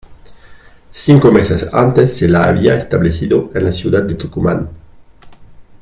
Cinco meses antes se la había establecido en la ciudad de Tucumán.